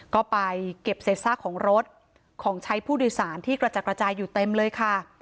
ก็ไปเก็บเศษซากของรถของใช้ผู้โดยสารที่กระจัดกระจายอยู่เต็มเลยค่ะ